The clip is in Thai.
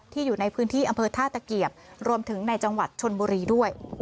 อยู่ในพื้นที่อำเภอท่าตะเกียบรวมถึงในจังหวัดชนบุรีด้วย